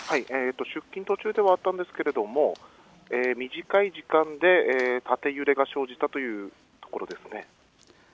出勤途中ではあったんですが短い時間で縦揺れが生じたというところです。